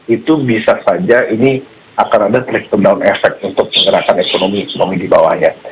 itu bisa saja ini akan ada breakdown efek untuk menggerakkan ekonomi di bawahnya